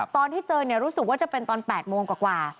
ตอนที่เจอรู้สึกว่าจะเป็นตอน๘โมงกว่า